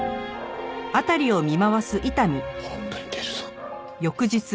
本当に出るぞ。